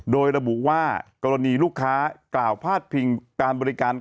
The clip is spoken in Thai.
โดยระบุว่ากรณีลูกค้ากล่าวพาดพิงการบริการ